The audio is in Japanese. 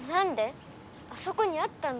あそこにあったんだけど。